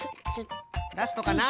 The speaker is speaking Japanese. ラストかな？